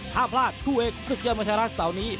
ถ้าพลาดคู่เอกสุดเยี่ยมกันเท่านี้